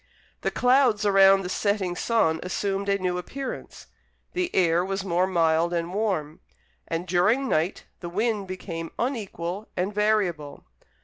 The clouds around the setting sun assumed a new appearance; the air was more mild and warm, and during night the wind became unequal and variable.